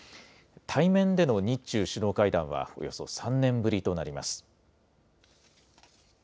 対面での日中首脳会談はおよそ３年ぶりとなります。